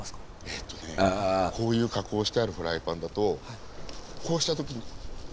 えとねこういう加工をしてあるフライパンだとこうした時に滑りが良くなるぐらい。